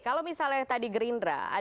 kalau misalnya tadi gerindra